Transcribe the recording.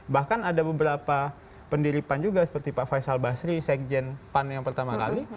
bahkan ada beberapa pendiri pan juga seperti pak faisal basri sekjen pan yang pertama kali